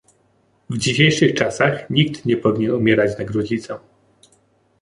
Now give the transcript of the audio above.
W dzisiejszych czasach, nikt nie powinien umierać na gruźlicę